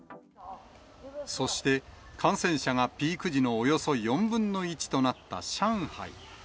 そして感染者がピーク時のおよそ４分の１となった上海。